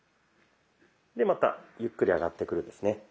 でまたゆっくり上がってくるんですね。